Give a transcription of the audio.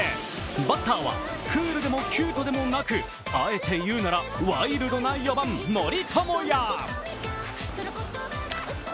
バッターはクールでもキュートでもなく、あえて言うならワイルドな４番森友哉。